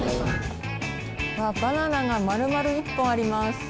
バナナがまるまる１本あります。